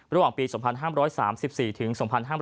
ระหว่างปี๒๕๓๔ถึง๒๕๕๙